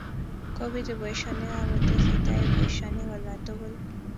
Kobitu boishonik ako tesetai boishonik olatukul